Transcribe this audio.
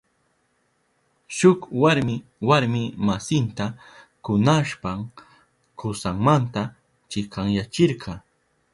Shuk warmi warmi masinta kunashpan kusanmanta chikanyachirka.